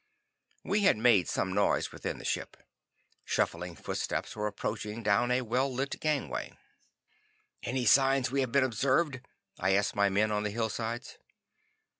We had made some noise within the ship. Shuffling footsteps were approaching down a well lit gangway. "Any signs we have been observed?" I asked my men on the hillsides.